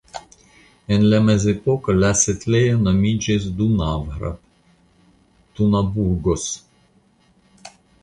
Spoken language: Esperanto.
En la Mezepoko la setlejo nomiĝis Dunavgrad (Tunaburgos).